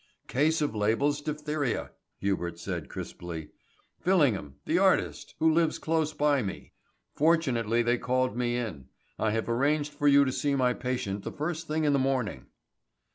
"Case of Label's diphtheria," Hubert said crisply. "Fillingham, the artist, who lives close by me. Fortunately they called me in. I have arranged for you to see my patient the first thing in the morning."